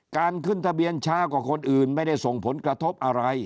การขึ้นทะเบียนช้ากว่าคนอื่นไม่ได้ส่งผลกระทบอะไร